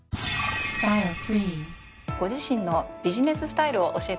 ご自身のビジネススタイルを教えてください。